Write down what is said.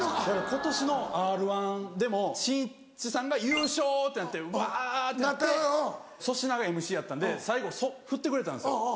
今年の『Ｒ−１』でもしんいちさんが優勝ってなってわ！ってなって粗品がＭＣやったんで最後ふってくれたんですよ。